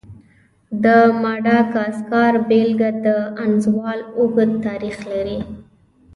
د ماداګاسکار بېلګه د انزوا اوږد تاریخ لري.